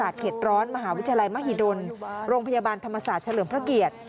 ที่โดนโรงพยาบาลธรรมศาสตร์เฉลิมพระเกียรติ